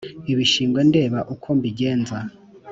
ibishingwe ndeba uko mbigenza